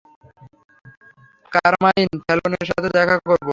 Carmine ফ্যালকোনের সাথে দেখা করব।